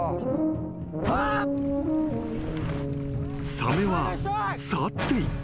［サメは去っていった］